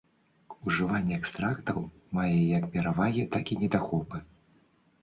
Ужыванне экстрактаў мае як перавагі, так і недахопы.